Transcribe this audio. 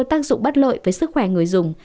tác dụng bất lợi với sức khỏe người dùng